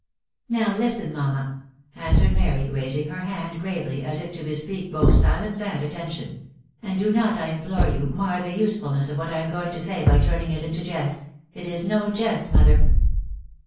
" Now listen, mamma," answered Mary, raising her hand gravely, as if to bespeak both silence and attention, " and do not, I implore you, mar the usefulness of what I am going to say by turning it into jest, .... it is no jest, mother.